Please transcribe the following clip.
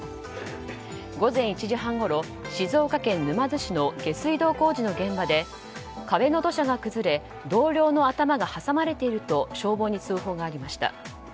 午前１時半ごろ、静岡県沼津市の下水道工事の現場で壁の土砂が崩れ同僚の頭が挟まれていると消防に通報がありました。